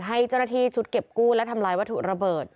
ให้เจ้าหน้าที่ชุดเก็บกู้และทำลายวัตถุระเบิด